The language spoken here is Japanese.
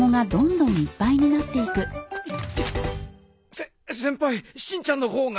せ先輩しんちゃんのほうが。